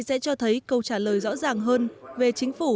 sẽ cho thấy câu trả lời rõ ràng hơn về chính phủ